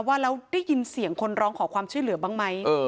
ว่าแล้วได้ยินเสียงคนร้องขอความช่วยเหลือบ้างไหม